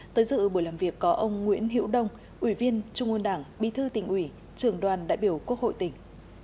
tới dự bộ làm việc có ông nguyễn hiệu đông ủy viên trung hôn đảng bí thư tỉnh ủy trường đoàn đại biểu quốc hội tỉnh